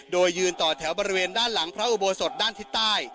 โดยยืนต่อแถวบริเวณด้านหลังพระอุโบสถด้านทิศใต้